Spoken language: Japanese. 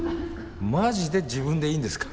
マジで自分でいいんですか？